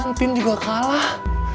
antin juga kalah